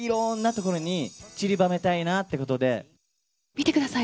見てください。